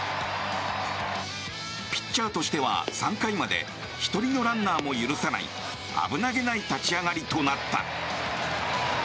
ピッチャーとしては、３回まで１人のランナーも許さない危なげない立ち上がりとなった。